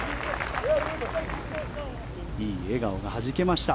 いい笑顔がはじけました。